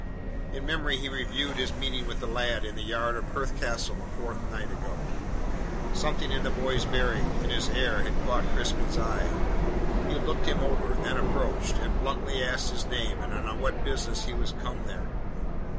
In memory he reviewed his meeting with the lad in the yard of Perth Castle a fortnight ago. Something in the boy's bearing, in his air, had caught Crispin's eye. He had looked him over, then approached, and bluntly asked his name and on what business he was come there.